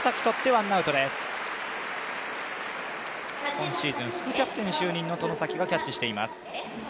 今シーズン、副キャプテンに就任の外崎がキャッチしています。